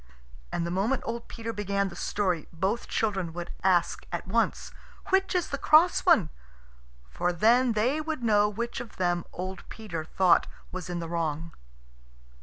And the moment old Peter began the story both children would ask at once, "Which is the cross one?" for then they would know which of them old Peter thought was in the wrong.